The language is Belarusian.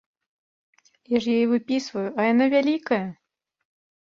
Я ж яе выпісваю, а яна вялікая!